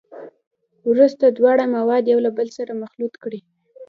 وروسته دواړه مواد یو له بل سره مخلوط کړئ.